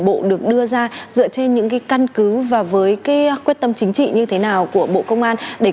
bộ được đưa ra dựa trên những cái căn cứ và với cái quyết tâm chính trị như thế nào của bộ công an để